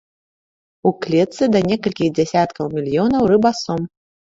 У клетцы да некалькіх дзясяткаў мільёнаў рыбасом.